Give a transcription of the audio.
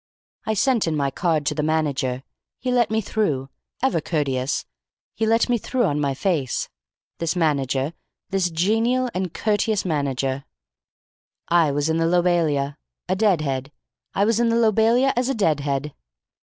"I sent in my card to the manager. He let me through. Ever courteous. He let me through on my face. This manager. This genial and courteous manager. "I was in the Lobelia. A dead head. I was in the Lobelia as a dead head!"